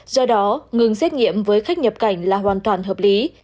do đó ngừng xét nghiệm với khách nhập cảnh là hoàn toàn hợp lý